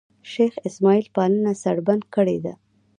شېخ اسماعیل پالنه سړبن کړې ده.